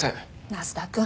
那須田くん。